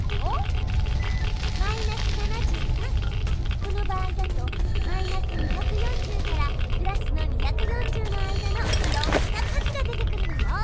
この場合だとマイナス２４０からプラスの２４０の間のいろんな数が出てくるのよ。